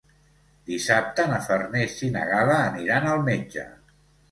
Dissabte na Farners i na Gal·la aniran al metge.